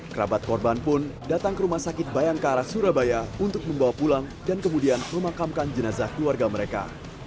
kerabat korban pun datang ke rumah sakit bayangkara surabaya untuk membawa pulang dan kemudian memakamkan jenazah keluarga mereka